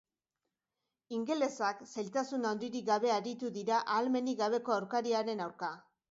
Ingelesak zailtasun handirik gabe aritu dira ahalmenik gabeko aurkariaren aurka.